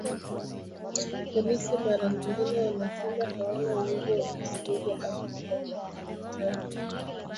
Polisi mara nyingine wanasema hawana uwezo wa kuchunguza au kufanya ukamataji